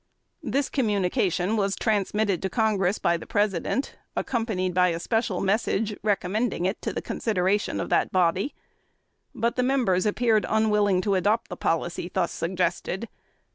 This communication was transmitted to Congress by the President, accompanied by a special message, recommending it to the consideration of that body; but the members appeared unwilling to adopt the policy thus suggested.